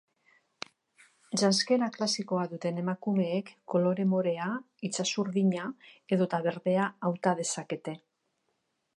Janzkera klasikoa duten emakumeek kolore morea, itsas urdina edota berdea hauta dezakete.